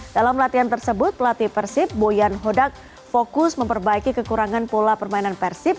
dalam latihan tersebut pelatih persib boyan hodak fokus memperbaiki kekurangan pola permainan persib